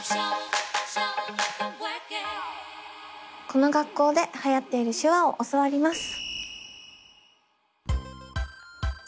この学校ではやっている手話を教わります。